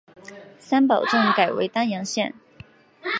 三堡镇改为丹阳县。